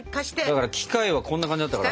だから機械はこんな感じだったから。